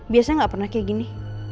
biasanya gak pernah kayak gini